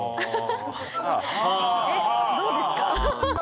えっどうですか？